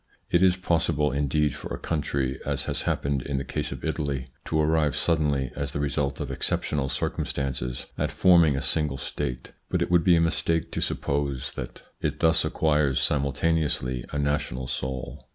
It is possible indeed for a country, as has happened in the case of Italy, to arrive suddenly, as the result of exceptional circumstances, at forming a single State, but it would be a mistake to suppose that it thus acquires simultaneously a national soul.